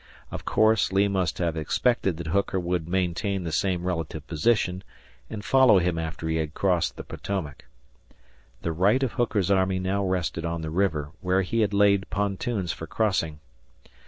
Of course Lee must have expected that Hooker would maintain the same relative position and follow him after he had crossed the Potomac. The right of Hooker's army now rested on the river, where he had laid pontoons for crossing.